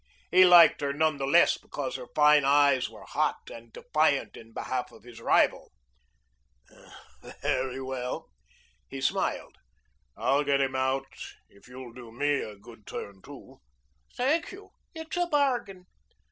He liked her none the less because her fine eyes were hot and defiant in behalf of his rival. "Very well," he smiled. "I'll get him out if you'll do me a good turn too." "Thank you. It's a bargain."